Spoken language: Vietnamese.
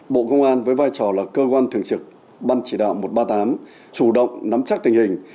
bộ công an với vai trò là cơ quan thường trực ban chỉ đạo một trăm ba mươi tám chủ động nắm chắc tình hình